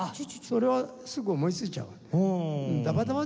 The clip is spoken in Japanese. それはすぐ思いついちゃう。